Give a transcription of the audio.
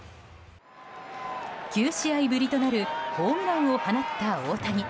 ９試合ぶりとなるホームランを放った大谷。